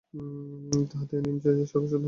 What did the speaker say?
তাহাতে এই নিয়ম ছিল যে, সর্বস্ব দান করতে হইবে।